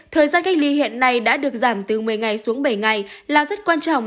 thời gian cách ly hiện nay đã được giảm từ một mươi ngày xuống bảy ngày là rất quan trọng